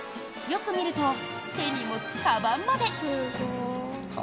よく見ると手に持つかばんまで。